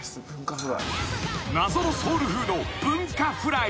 ［謎のソウルフード文化フライ］